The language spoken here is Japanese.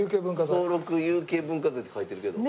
登録有形文化財って書いてるけど。